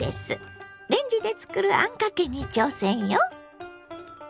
レンジで作るあんかけに挑戦よ！